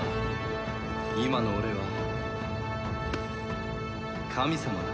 今の俺は神様だ。